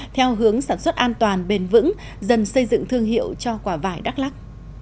theo hướng sản xuất an toàn bền vững dần xây dựng thương hiệu cho quả vải đắk lắc